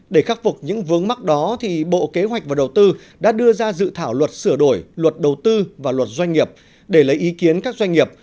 để khắc phục những vướng mắc đó bộ kế hoạch và đầu tư đã đưa ra dự thảo luật sửa đổi luật đầu tư và luật doanh nghiệp để lấy ý kiến các doanh nghiệp